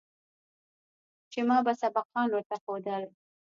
چې ما به سبقان ورته ښوول.